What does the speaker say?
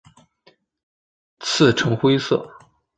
刺呈灰色。